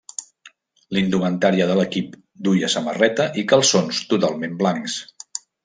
La indumentària de l'equip duia samarreta i calçons totalment blancs.